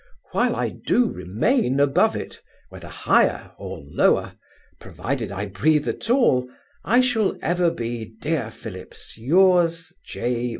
While I do remain above it, whether higher or lower, provided I breathe at all, I shall ever be, Dear Phillips, yours, J.